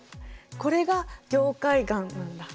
これが凝灰岩なんだ。